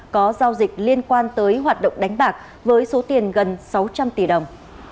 có giao dịch liên quan tới hoạt động đánh bạc với số tiền gần sáu trăm linh tỷ đồng